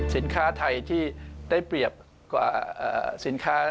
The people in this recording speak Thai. สินค้าไทยที่ได้เปรียบกว่าสินค้า